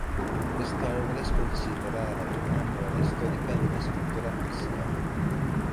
Esta obra es considerada la primera novela histórica de una escritora mexicana.